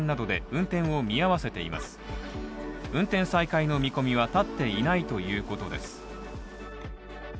運転再開の見込みは立っていないということです。